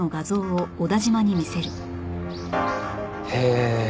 へえ。